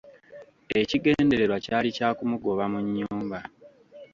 Ekigendererwa kyali kya kumugoba mu nnyumba.